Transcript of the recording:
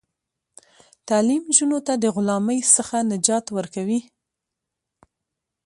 تعلیم نجونو ته د غلامۍ څخه نجات ورکوي.